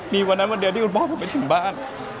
มีวันนั้นวันเดียวที่คุณพ่อผมไปถึงบ้าน